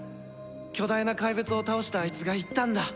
巨大な怪物を倒したあいつが言ったんだ